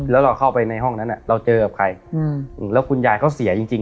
แล้วเราเข้าไปในห้องนั้นเราเจอกับใครอืมแล้วคุณยายเขาเสียจริง